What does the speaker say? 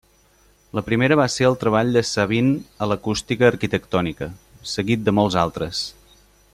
La primera va ser el treball de Sabine a l'acústica arquitectònica, seguit de molts altres.